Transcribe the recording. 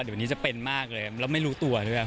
เดี๋ยวนี้จะเป็นมากเลยแล้วไม่รู้ตัวด้วย